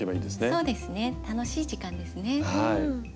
そうですね楽しい時間ですね。